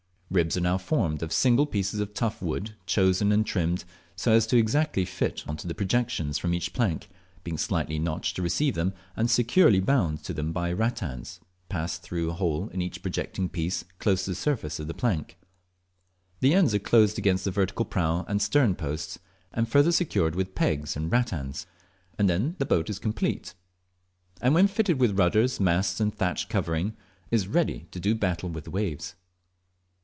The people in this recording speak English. Ribs are now formed of single pieces of tough wood chosen and trimmed so as exactly to fit on to the projections from each plank, being slightly notched to receive them, and securely bound to them by rattans passed through a hole in each projecting piece close to the surface of the plank. The ends are closed against the vertical prow and stern posts, and further secured with pegs and rattans, and then the boat is complete; and when fitted with rudders, masts, and thatched covering, is ready to do battle with, the waves.